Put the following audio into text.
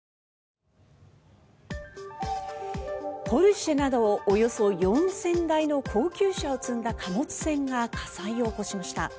ポルシェなどをおよそ４０００台の高級車を積んだ貨物船が火災を起こしました。